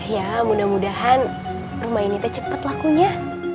ya mudah mudahan rumah ini cepat lakunya